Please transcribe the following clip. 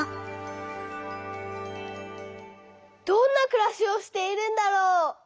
どんなくらしをしているんだろう？